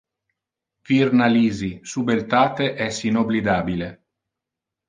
Virna Lisi, su beltate es inoblidabile.